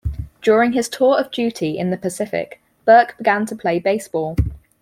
During his tour of duty in the Pacific, Burke began to play baseball.